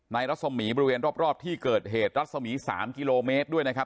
รัศมีร์บริเวณรอบที่เกิดเหตุรัศมี๓กิโลเมตรด้วยนะครับ